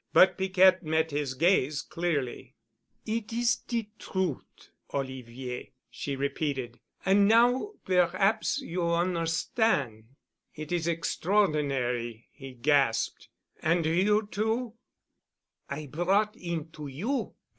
But Piquette met his gaze clearly. "It is de trut', Olivier," she repeated. "An' now perhaps you on'erstan'." "It is extraordinary," he gasped. "And you two——?" "I brought 'im to you.